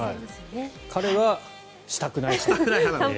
彼はしたくないと。